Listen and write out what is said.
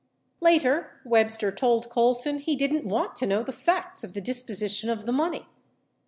84 Later, Webster told Colson he didn't want to know the facts of the disposition of the money.